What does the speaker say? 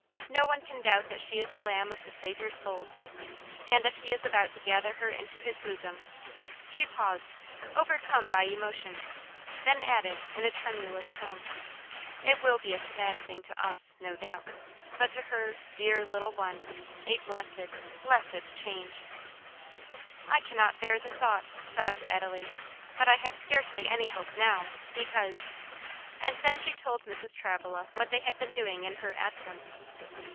No one can doubt that she is a lamb of the Saviour's fold, and if he is about to gather her into his bosom " She paused, overcome by emotion, then added in a tremulous tone, "It will be a sad thing to us, no doubt, but to her dear little one a blessed, blessed change." "I cannot bear the thought," sobbed Adelaide, "but I have scarcely any hope now, because " and then she told Mrs. Travilla what they had been doing in her absence.